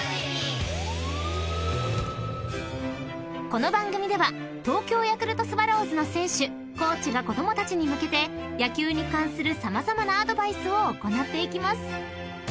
［この番組では東京ヤクルトスワローズの選手・コーチが子供たちに向けて野球に関する様々なアドバイスを行っていきます］